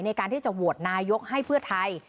ในการที่จะโหวตนายกให้เพื่อไทย